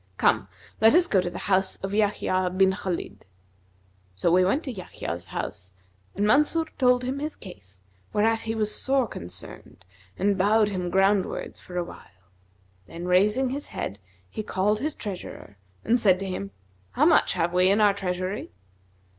Come, let us go to the house of Yбhyб bin Khбlid.' So we went to Yahya's house, and Mansur told him his case, whereat he was sore concerned and bowed him groundwards for a while, then raising his head, he called his treasurer and said to him, 'How much have we in our treasury?'